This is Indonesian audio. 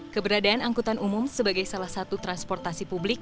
keberadaan angkutan umum sebagai salah satu transportasi publik